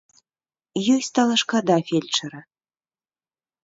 Ёй стала шкада фельчара.